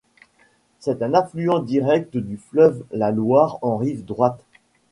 C'est un affluent direct du fleuve la Loire en rive droite.